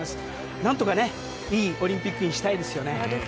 何とか、いいオリンピックにしたいですよね。